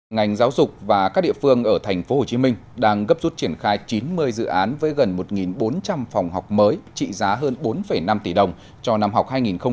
ngành giáo dục và các địa phương ở tp hcm đang gấp rút triển khai chín mươi dự án với gần một bốn trăm linh phòng học mới trị giá hơn bốn năm tỷ đồng cho năm học hai nghìn hai mươi hai nghìn hai mươi